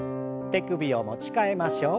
手首を持ち替えましょう。